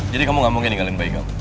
jadi kamu gak mungkin ninggalin baik